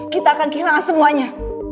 kita akan kehilangan semuanya